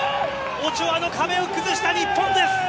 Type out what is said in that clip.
オチョアの壁を崩した日本です。